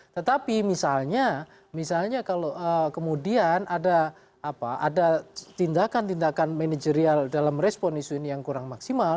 tetapi misalnya kalau kemudian ada tindakan tindakan manajerial dalam respon isu ini yang kurang maksimal